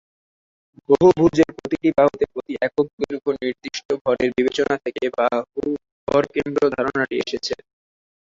বহুভুজের প্রতিটি বাহুতে প্রতি একক দৈর্ঘ্য নির্দিষ্ট ভরের বিবেচনা থেকে ""বাহু ভরকেন্দ্র"" ধারণাটি এসেছে।